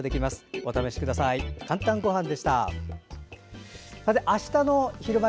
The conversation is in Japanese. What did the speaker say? お試しください。